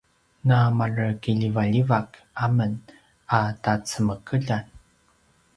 na mare kiljivaljivak amen a tacemekeljan